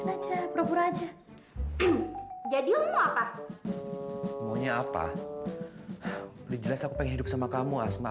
aja pura pura aja jadi mau apa mau nya apa dijelas aku pengen hidup sama kamu asma